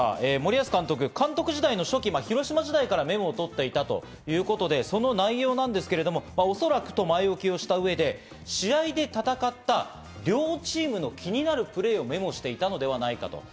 森保監督、監督時代の初期、広島時代からメモを取っていたということで、その内容なんですけど、おそらくと前置きをした上で、試合で戦った両チームの気になるプレーをメモしていたのではないか。